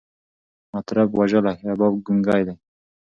مطرب وژلی، رباب ګونګی دی